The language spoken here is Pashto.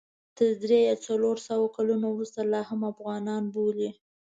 تر درې یا څلور سوه کلونو وروسته لا هم افغانان بولي.